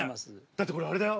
だってこれあれだよ